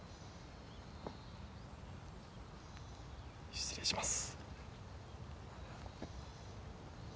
失礼します。